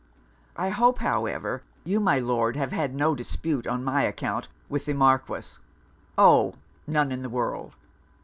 'I hope, however, you, my Lord, have had no dispute on my account with the Marquis?' 'Oh! none in the world.